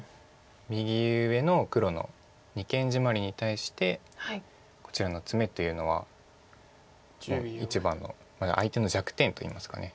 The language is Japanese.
右上の黒の二間ジマリに対してこちらのツメというのはもう一番の相手の弱点といいますか。